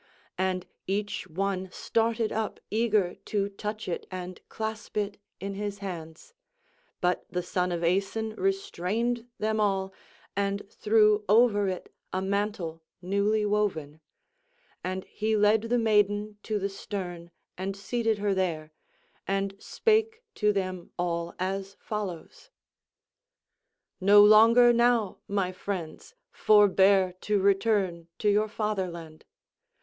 And each one started up eager to touch it and clasp it in his hands. But the son of Aeson restrained them all, and threw over it a mantle newly woven; and he led the maiden to the stern and seated her there, and spake to them all as follows: "No longer now, my friends, forbear to return to your fatherland.